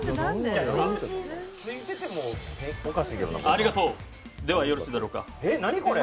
ありがとう、ではよろしいだろうか。